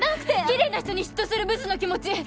きれいな人に嫉妬するブスの気持ち